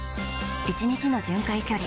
１日の巡回距離